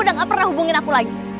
udah gak pernah hubungin aku lagi